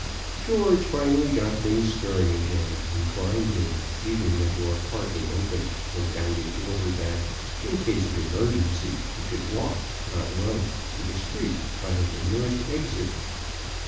George finally got things stirring again and climbed in, leaving the door partly open no doubt in order that, in case of emergency, he could walk, not run, to the street via the nearest exit.